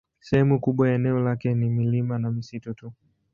Sehemu kubwa ya eneo lake ni milima na misitu tu.